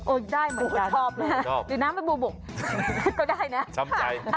โอ้ยชอบแล้วน้ำเลยปูบุกก็ได้นะเดี๋ยวอ่ะชอบใจ